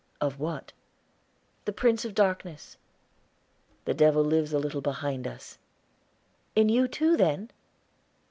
"Of what?" "The Prince of Darkness." "The devil lives a little behind us." "In you, too, then?"